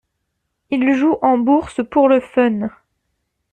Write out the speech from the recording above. Il joue en bourse pour le fun.